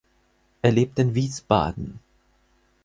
Er lebt in Wiesbaden.